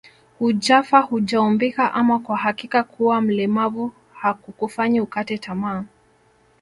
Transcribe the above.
Hujafa hujaumbika ama kwa hakika kuwa mlemavu hakukufanyi ukate tamaa